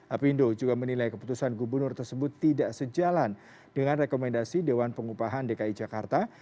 apindo juga menilai keputusan gubernur tersebut tidak sejalan dengan rekomendasi dewan pengupahan dki jakarta